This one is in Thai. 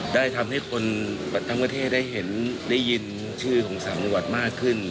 ได้ทำให้คนทั้งประเทศได้เห็นได้ยินชื่อของ๓จังหวัดมากขึ้น